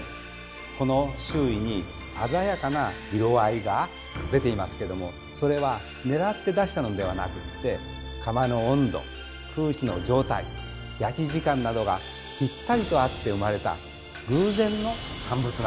この周囲に鮮やかな色合いが出ていますけどもそれはねらって出したのではなくって窯の温度空気の状態焼き時間などがピッタリと合って生まれた偶然の産物なんです。